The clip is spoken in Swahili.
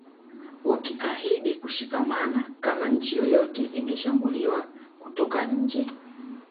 Wakiahidi kushikamana kama nchi yoyote ingeshambuliwa kutoka nje